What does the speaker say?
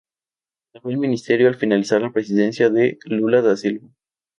Dejó el ministerio al finalizar la presidencia de Lula da Silva.